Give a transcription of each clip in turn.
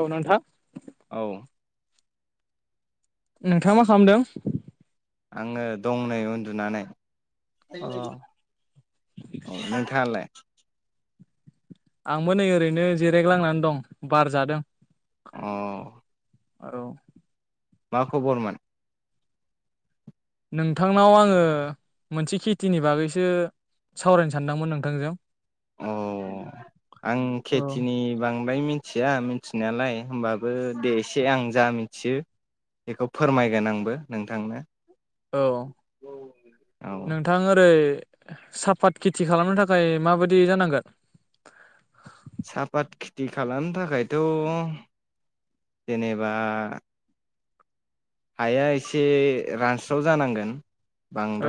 औ नोंथां औ नोंथाङा मा खालामदों? आङो दंनै उन्दुनानै। अ नोंथाङालाय? [unintelligible] आंबो नै ओरैनो जिरायग्लांनानै दं बार जादों। अ' आर' मा खबरमोन नोंथांनाव आङो मोनसे खेथिनि बागैसो सावरायनो सानदोंमोन नोंथांजों। अ' आं खेथिनि बांद्राय मिथि मिथिया मिथिनायालाय होमबाबो दे एसे आं जा मिथियो बेखौ फोरमायगोन आंबो नोंथांनो औ औ नोंथां ओरै साफाथ खेथि खालामनो थाखाय माबादि जानांगोन सापाथ खेथि खालामनो थाखायथ' जेनेबा हाया एसे रानस्राव जानांगोन।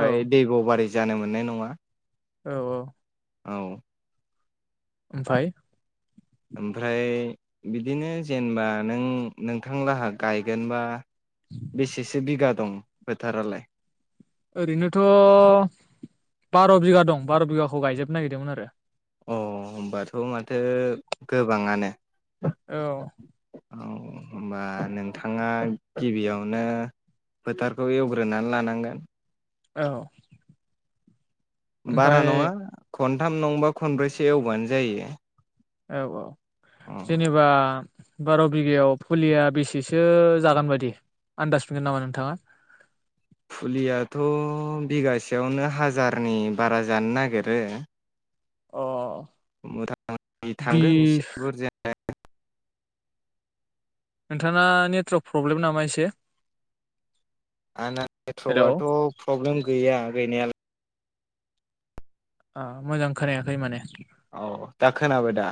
औ दैब' बारि जानो मोननाय नङा। औ औ औ ओमफाय ओमफ्राय बिदिनो जेनेबा नों नोंथांलाहा गायगोनबा बेसेसो बिगा दं। बेथारालाय। ओरैनोथ' बार' बिगा दं बार' बिगाखौ गायजोबनो नागिरदोंमोन आरो। अ होनोमबाथ' माथो गोबाङानो। औ। औ होनबा नोंथाङा गिबियावनो फोथारखौ एवग्रोनानै लानांगोन। औ। बारा ओमफाय नङा खनथाम नंबा खनब्रैसो एवबानो जायो। औ- औ। अ जेनेबा बार' बिगायाव पुलिया बेसेसो जागोन बायदि आनन्दाज मोनगोन नामा नोंथाङा? फुलियाथ' बिगासेयावनो हाजारनि बारा जानो नागिरो अ मथा-मथि बि थांगोन एसे बुरजाया नोंथाङा नेटवारक प्रब्लेम नामा एसे? आंना हेलौ नेटवर्कआथ' प्रब्लेम गैया गैनायालाय। अ मोजां खोनायाखै माने। औ दा खोनाबाय दा?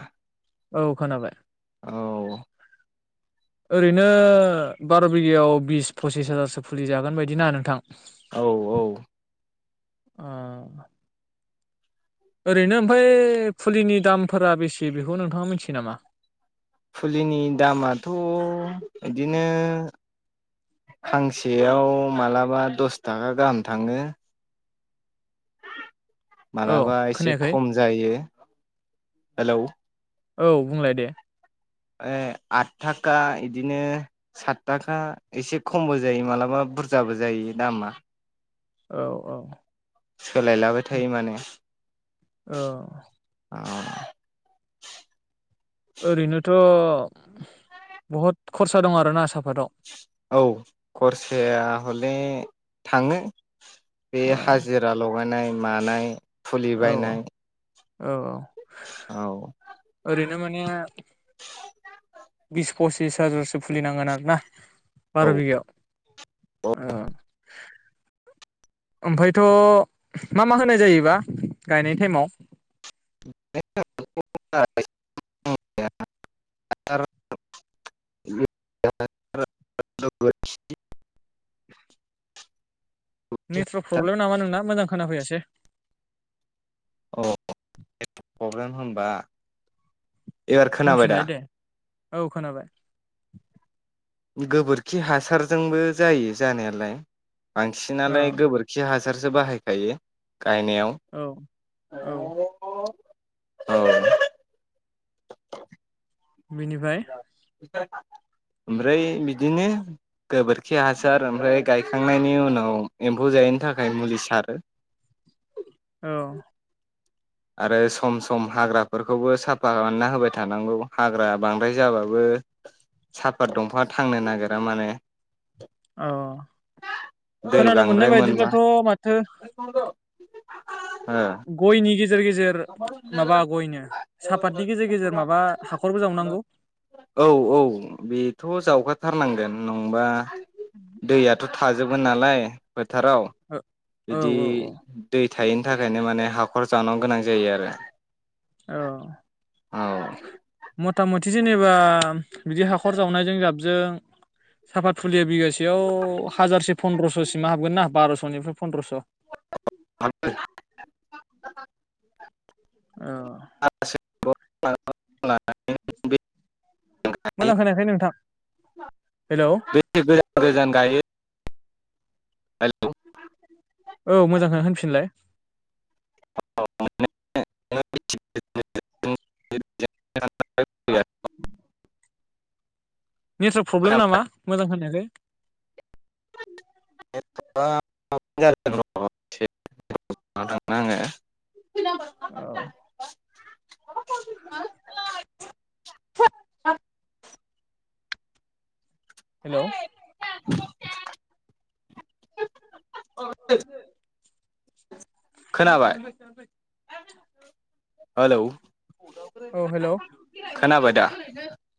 औ खोनाबाय। औ ओरैनो बार' बिगायाव बिस पसिस हाजारसो फुलि जागोन बायदिनाा नोंथां। औ औ। ओ ओरैनो ओमफ्राय फुलिनि दामफोरा बेसे बेखौ नोंथाङा मिथियो नामा? फुलिनि दामाथ' बिदिनो फांसेयाव मालाबा दस थाखा गाहाम थाङो। औ माबलाबा एसे खोनायाखै खम जायो हेलौ। औ बुंलाय दे। ऐ आथ थाखा इदिनो सात थाखा एसे खमबो जायो मालाबा बुरजाबो जायो दामा। औ -औ। सोलायलाबाय थायो माने। औ ओरैनोथ' बहुद खरसा दं आरोना सापादाव। औ खरसाया हले थाङो। बे ओ हाजिरा लगायनाय मानाय फुलि औ औ बायनाय। औ -औ। औ ओरैनो माने बिस फसिस हाजारसो खुलिनांगोन आरो। बारो औ बिगायाव ओ ओमफ्रायथ' मा मा होनाय जायोबा गायनाय टाइमाव [unintelligible] नेटवारर्क प्रब्लेम नामा नोंना मोजां खोनाफैयासै अ नेतरक प्रब्लेम होनबा एबार खोनाबाय दा होनफिनलाय दे औ खोनाबाय गोबोरखि हासारजोंबो जायो जानायालाय औ बांसिनानो गोबोरखि हाजों हासारसो बाहायखायो औ औ गायनायाव औ बेनिफ्राय ओमफ्राय बिदिनो गोबोरखि हासार ओमफ्राय गायखांनायनि उनाव एम्फौ जायैनि थाखाय मुलि सारो। औ आरो सम सम हाग्राफोरखौबो साफा खालामना होबाय थानांगौ हाग्रा बांद्राय जाबाबो साफा दंफा थांनो नागिरा माने। औ दै खोनानो मोननाय बांद्राय मोनबा बायदिब्लाथ' माथो। गयनि गेज सापातनि गेजेर गेजेर माबा हाखरबो जावनांगौ औ औ बेथ' जावगाथार- खानांगोन नंबा दैयाथ' थाजोबो नालाय फोथाराव औ औ बिदि औ दै थायिनि थाखायनो माने हाखर जावनो गोनां- जायो आरो। औ मथामथ थि जेनेबा बिदि हाखर जावनायजों जाब जों साफा फुलिया बिगासेयाव हाजारसे फन्द्रस'सिमा हाबगोन ना बार'स'निफ्राय फन्द्रस'? आ [unintelligible] औ ल [inaudible] [unintelligible] मोजां खोनायाखै नोंथां [unintelligible] हेलौ बेसे गोजान गोजान गायो [inaudible] आङो औ मोजां खोनायाखै होनफिनलाय। [unintelligible] [unintelligible] नेटवार्क प्रब्लेम नामा मोजां खोनायाखै। [unintelligible] औ [unintelligible] हेलौ [unintelligible] खोनाबाय? हेलौ औ हेलौ खोनाबाय दा?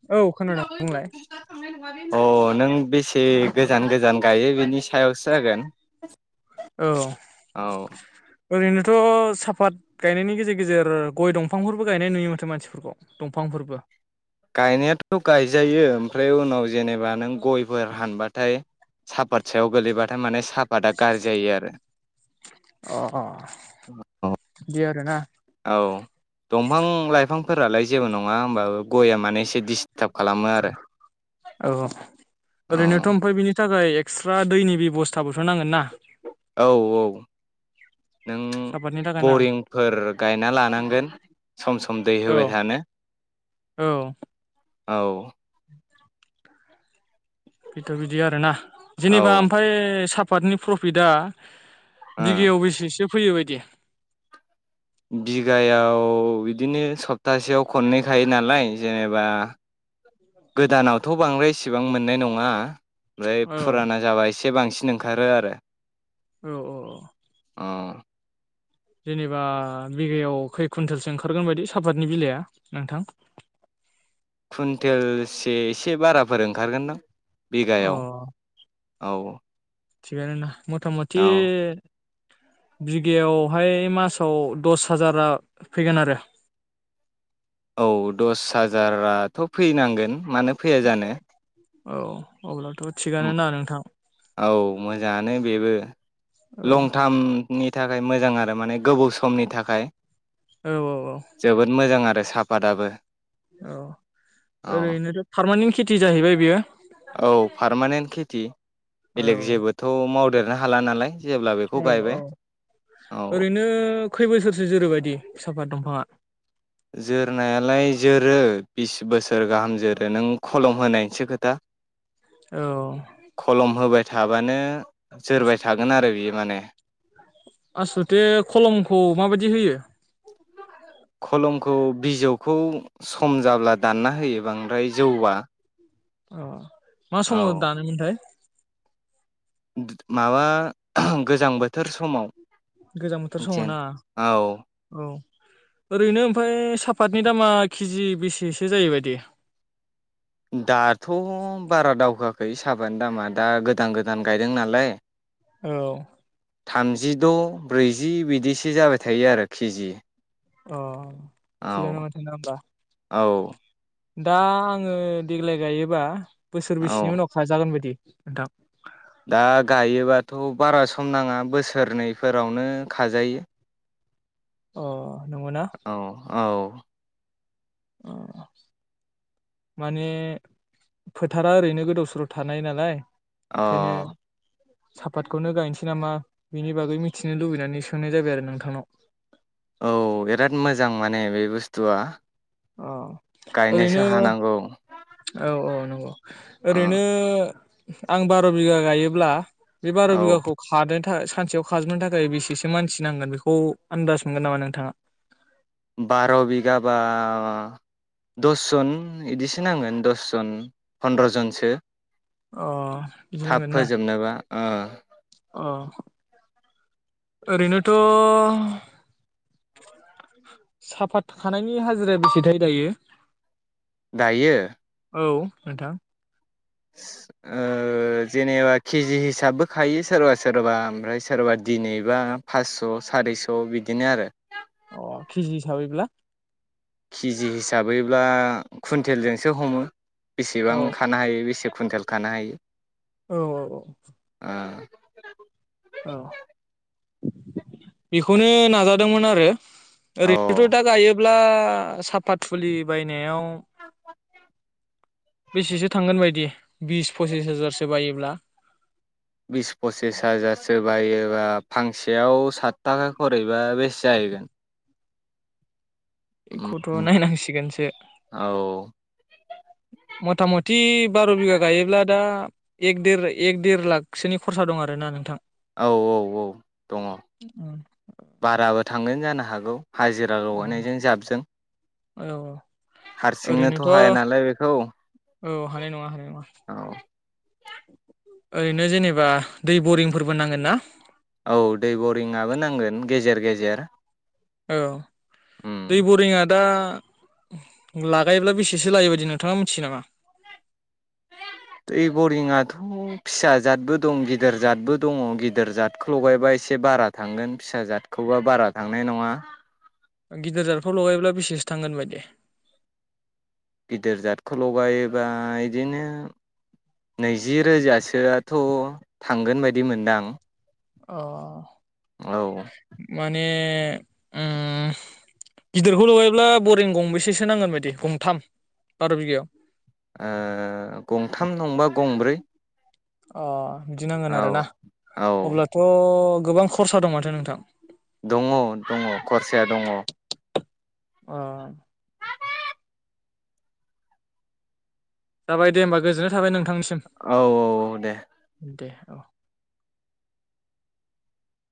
औ खोनादों बुंलाय। अ नों बेसे गोजान गोजान गायो बेनि सायावसो जागोन। औ औ ओरैनोथ' साफात गायनायनि गेजेर गेजेर गय दंफांफोरबो गायनाय नुयो माथो मानसिफोरखौ दंफांफोरबो गायनायाथ' गायजायो ओमफ्राय उनाव जेनेबा नों गयफोर हानबाथाय सापात सायाव गोलैबाथाय माने सा पादा गारजि जायो आरो अ अ बिदि आरोना औ दंफां लाइ फांफोरालाय जेबो नङा होनोमबाबो गया मे एसे दिस औ औ ओरैनोथ' ओमफाय बिनि थाखाय एक्सट्रा दैनि बेबस्थाबोथ' नांगोन ना औ औ नों सापातनि थाखाय ना बरिंफोर गायना लानांगोन सम सम दै औ होबाय थानो। औ औ बेथ' बिदि आरोना। औ जेनेबा ओमफ्राय सा पाटनि प्रफिटआ ओ बिगायाव बेसेसो फैयोबायदि बिगायाव बिदिनो सप्तासेयाव खननैखायो नालाय जेनेबा गोदानावथ' बांद्रायसेबां मोननाय नङा ओमफ्राय औ फुराना जाबा एसे बांसिन ओं खारो आरो औ औ औ अ जेनेबा बिगायाव खै कुन्टेलसो ओंखारगोन बायदि सापातनि बिलाइआ नोंथां कुन्टेलसे एसे बाराफोर ओंखारगोनदां बिघायाव औ थिगानोना मथामथि औ बिगायावहाय मासाव दस हाजारा फैगोन आरो औ दस हाजाराथ' फैनांगोन मानो फैया जानो औ अब्ला थ' थिगानो ना नोंथां औ मोजाङानो बेबो औ लं टार्मनि थाखाय मोजां आरो माने गोबाव समनि थाखाय औ औ जोबोद मोजां आरो साफाताबो औ ओरैनोथ' पारमानेन्ट खिथ थि जाहैबाय बियो। औ पारमानेन्ट खेथि औ बेलेग जेबोथ' मावदेर रो हाला नालाय जेब्ला बेखौ औ गायबाय औ औ ओरैनो खै बोसोरसो जोरोबायदि साफात दंफाङा जोरनायालाय जोरो बिस बोसोर गाहाम जोरो। नों खलम होनायसो खोथा औ खलम होबाय थाबानो जोरबाय थागोन आरो बियो माने आसलथे खलमखौ माबायदि होयो? खलमखौ बिजौखौ सम जाब्ला दानना होयो बांद्राय जौबा अह मा समाव औ दानोमोनथाय माबा गोजां बोथोर समाव गोजां बोथोर समाव ना जेन औ औ ओरैनो ओमफाय सापातनि दामा केजि बेसेसो जायोबायदि दाथ' बारा दावखाआ खै साबानि दामा दा गोदान गोदान गायदों नालाय औ थामजिद' ब्रैजि बिदिसो जाबाय थायो आरो केजि अह औ थिगानो माथो ना होमबा औ दा आङो देग्लाय गायोबा औ बोसोरबैसेनि उनाव खाजागोन बायदि दा दा गायोबाथ बारा सम नाङा बोसोरनैफोरावनो खाजायो। अ। नोंगौ ना औ औ माने फोथारा ओरैनो गोदाव सोराव थानाय नालाय। अ ओंखायनो सापातखौनो गायनोसै नामा बिनि बागै मिथिनो लुबैनानै सोंनाय जाबाय आरो नोंथांनाव। औ बिराद मोजां माने बे बुस्थुआ अ गायनोसो ओरैनो हानांगौ औ औ नंगौ ओ ओरैनो आं बार बिगा गायोब्ला बे बार औ बिगाखौ खाद सानसेयाव खाजोबनो थाखाय बेसेसो मानसि नांगोन बेखौ आन्दाज मोनगोन नामा नोंथाङा बार बिगा बा दस जन बिदिस नांगोन दसजन फन्द्र जनसो अ बिदि नांगोन ना ओम अ ओरैनोथ साफात खानायनि हाजिराया बेसेथाय दायो दायो औ नोंथां ओ जेनेबा केजि हिसाबबो खायो सोरबा सोरबा ओमफ्राय सोरबा दिनैबा फासस सारिस बिदिनो आरो अ खिजि हिसाबैबोब्ला केजि हिसाबैब्ला कुन्टेलजोंसो हमो बेसेबां औ खानो हायो बेसेबां कुइन्टेल खानो हायो औ औ औ ओं औ बेखौनो नाजादोंमोन आरो ओ ओरैनोथ अ दा गायोबा अब्ला साफा थुलि बायनायाव लांदां बेसेसो थांगोन बायदि बिस पसिस हाजारसो बायोब्ला बिस पसिस हाजार सोरबायोबा फांसेयाव सात थाखा खरैबा बेसे जाहैगोन बेखौथ' नायनांसिगोनसो औ मथा मथि बार' बिगा गायोब्ला दा एक देर एक देर लाखसोनि खरसा दं आरोना नोंथां। औ औ औ दङ बाराबो थांगोन जानो हागौ। हाजिरा लगायनायजों जाबजों औ। हारसिंनोथ' ओरैनोथ' हाया औ नालाय बेखौ हानाय नङा हानाय नङा औ ओरैनो जेनेबा दै बरिंफोरबो नांगोन ना। औ दै बरिंआबो नांगोन गेजेर गेजेर औ उम दै बरिंआ दा लागायोब्ला बेसेसो लायो बायदि नोंथाङा मिथियो नामा। दै बरिंआथ' फिसाजादबो दं गिदिर जादबो दङ गिदिर जादखौ लगायबा एसे बारा थांगोन फिसा जादखोबा बारा थांनाय नङा। गिदिर जादफ्राव लगायोब्ला बेसेसो थांगोन बायदि। गिदिर जाथखौ लगायोबा बिदिनो नैजि रोजासोआथ' थांगोन बायदि मोनदांं। अ माने उम गिदिरखौ लुबायब्ला बरिं गंबेसेसो नांगोन बायदि गंथाम बार' बिगायाव गंथाम नंबा गंब्रै अ बिदि नांगोन औ आरोना औ अब्लाथ' गोबां खरसा दं माथो नोंथां। दङ दङ खरसाया दङ। अ जाबाय दे होमबा गोजोननाय थाबाय नोंथांनिसिम। औ औ औ दे। [unintelligible]